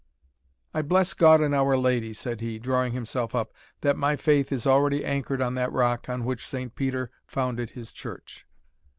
"I bless God and Our Lady," said he, drawing himself up, "that my faith is already anchored on that Rock on which Saint Peter founded his Church."